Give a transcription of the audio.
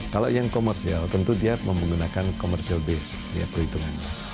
kalau yang komersial tentu dia menggunakan komersial base perhitungannya